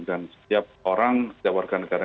dan setiap orang setiap warga negara